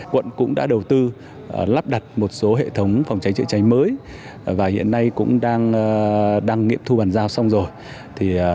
quận cũng đã đầu tư lắp đặt một số hệ thống phòng cháy chữa cháy mới và hiện nay cũng đang nghiệm thu bàn giao xong rồi